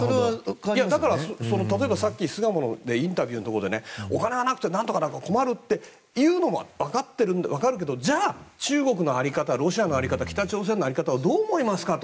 例えば、さっき巣鴨でのインタビューでお金がないから困るっていうのは分かるけどじゃあ中国の在り方、ロシアの在り方北朝鮮の在り方をどう思いますかと。